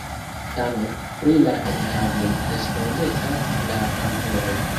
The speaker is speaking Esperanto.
Tamen, pri la enhavoj respondecas la aŭtoroj.